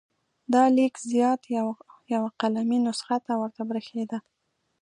دا لیک زیات یوه قلمي نسخه ته ورته بریښېده.